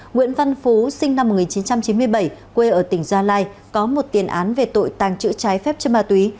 nguyễn văn phú sinh năm một nghìn chín trăm chín mươi bảy quê ở tỉnh gia lai có một tiền án về tội tàng trữ trái phép chất ma túy